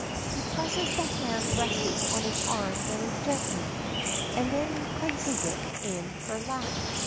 He presses the hand resting on his arm very gently, and then replaces it in her lap.